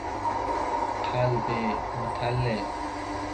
قلب مطلب